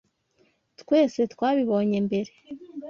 Twese twabibonye mbere.